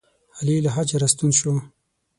علي له حجه راستون شو.